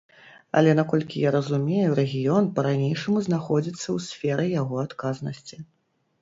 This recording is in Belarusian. Але, наколькі я разумею, рэгіён, па-ранейшаму знаходзіцца ў сферы яго адказнасці.